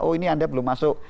oh ini anda belum masuk